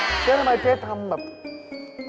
พี่เจ๊เจ๊ดูอะไรเนี่ยฉันเห็นแต่ดูตั้งนานเลยนะเจ๊